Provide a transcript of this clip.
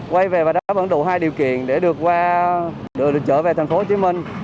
và đã đáp ứng đủ hai điều kiện để được trở về tp hcm